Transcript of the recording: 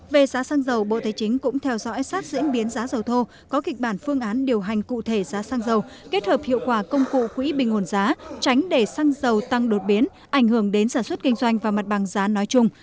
về giá xăng dầu bộ thế chính cũng theo dõi sát diễn biến giá dầu thô có kịch bản phương án điều hành cụ thể giá xăng dầu kết hợp hiệu quả công cụ quỹ bình nguồn giá tránh để xăng dầu tăng đột biến ảnh hưởng đến sản xuất kinh doanh và mặt bằng giá nói chung